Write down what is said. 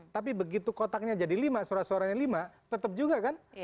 tapi begitu kotaknya jadi lima surat suaranya lima tetap juga kan